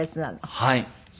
はい。